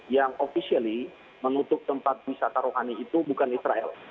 yang officially menutup tempat wisata rohani itu bukan israel